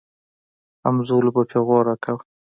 همزولو به پيغور راکاوه.